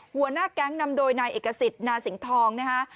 หัวหน้าแก๊งนำโดยนายเอกสิทธิ์นาสิงห์ทองนะคะ